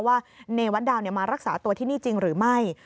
ว่าเนวัตดาวมารักษาตัวที่นี่จริงหรือไม่